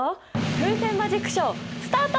風船マジックショースタート！